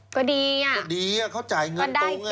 ก็ดีอ่ะว่าได้จริงก็ดีอ่ะเขาจ่ายเงินตรง